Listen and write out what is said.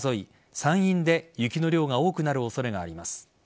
山陰で雪の量が多くなる恐れがあります。